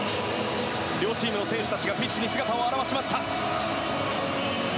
両チームの選手たちがピッチに姿を現しました。